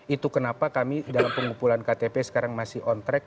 itu kenapa kami dalam pengumpulan ktp sekarang masih on track